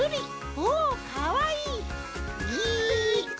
おおかっこいい！